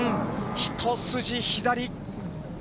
一筋左。